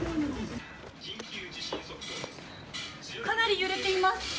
かなり揺れています。